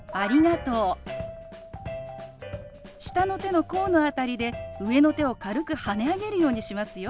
下の手の甲の辺りで上の手を軽くはね上げるようにしますよ。